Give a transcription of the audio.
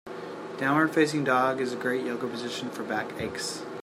Downward facing dog is a great Yoga position for back aches.